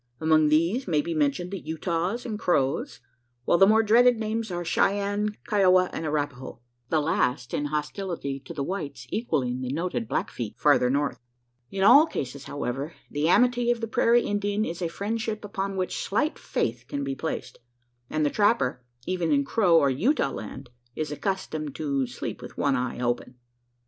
Among these may be mentioned the Utahs and Crows; while the more dreaded names are Cheyenne, Kiowa, and Arapaho; the last in hostility to the whites equalling the noted Blackfeet farther north. In all cases, however, the amity of the prairie Indian is a friendship upon which slight faith can be placed; and the trapper even in Crow or Utah land is accustomed "to sleep with one eye open."